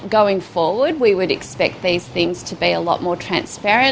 kita akan mengharapkan hal ini menjadi lebih transparan